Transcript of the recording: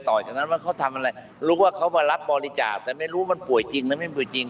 จากนั้นว่าเขาทำอะไรรู้ว่าเขามารับบริจาคแต่ไม่รู้มันป่วยจริงมันไม่ป่วยจริง